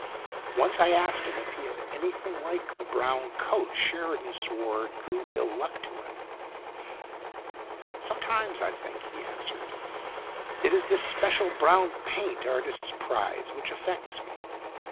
Once I asked him if he had anything like the brown coat Sheridan swore drew ill luck to him. "Sometimes I think," he answered, "it is this special brown paint artists prize which affects me.